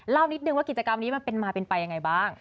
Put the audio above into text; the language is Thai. นิดนึงว่ากิจกรรมนี้มันเป็นมาเป็นไปยังไงบ้าง